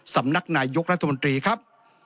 สำนักนายยกรัฐบอธิบทธิ์ครับ